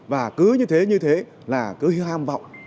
và cứ như thế như thế là cứ ham vọng